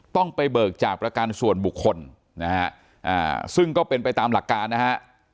ต้องไปเบิกจากประกันส่วนบุคคลนะฮะซึ่งก็เป็นไปตามหลักการนะฮะ